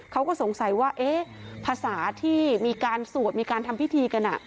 เขาก็สงสัยว่าเอ๊ะภาษาที่มีการสวดมีการทำพิธีกัน